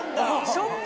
ショック。